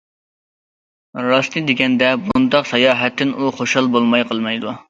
راستىنى دېگەندە بۇنداق ساياھەتتىن ئۇ خۇشال بولماي قالمايدۇ.